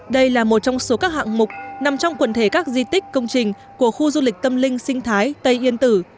đây là một trong số các hạng mục nằm trong quần thể các di tích công trình của khu du lịch tâm linh sinh thái tây yên tử